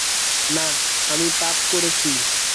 না, আমি পাপ করেছি।